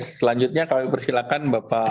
selanjutnya kami persilahkan bapak